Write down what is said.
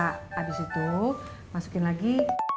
habis itu masukin lagi